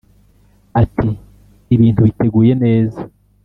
Ati “ Ibintu biteguye neza